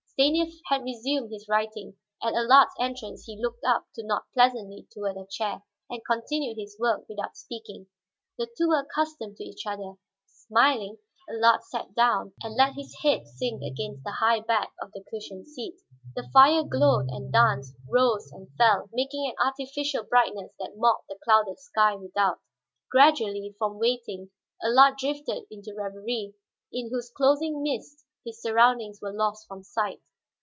Stanief had resumed his writing; at Allard's entrance he looked up to nod pleasantly toward a chair, and continued his work without speaking. The two were accustomed to each other; smiling, Allard sat down and let his head sink against the high back of the cushioned seat. The fire glowed and danced, rose and fell, making an artificial brightness that mocked the clouded sky without. Gradually, from waiting Allard drifted into reverie, in whose closing mists his surroundings were lost from sight.